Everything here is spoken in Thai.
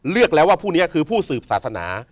เลือกแล้วว่าผู้นี้คือผู้สืบศาสนา